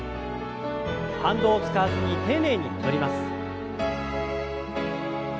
反動を使わずに丁寧に戻ります。